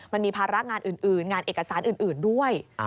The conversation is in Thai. มันมีภาระงานอื่นงานเอกสารอื่นด้วย